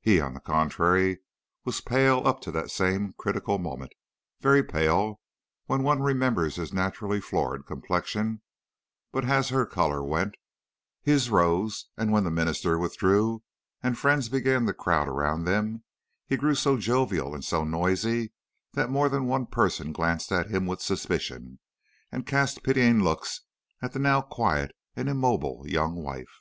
"He, on the contrary, was pale up to that same critical moment very pale, when one remembers his naturally florid complexion; but as her color went, his rose, and when the minister withdrew, and friends began to crowd around them, he grew so jovial and so noisy that more than one person glanced at him with suspicion, and cast pitying looks at the now quiet and immobile young wife.